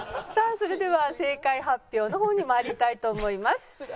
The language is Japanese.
さあそれでは正解発表の方に参りたいと思います。